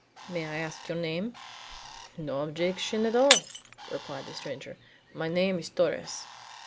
May I ask your name?" "No objection at all," replied the stranger. "My name is Torres."